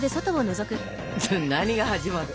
何が始まった？